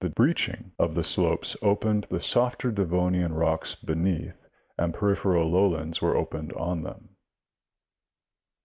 breaching of the slopes opened the softer Devonian rocks beneath and peripheral lowlands were opened on them.